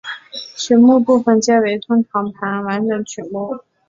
曲目部分皆为通常盘完整曲目。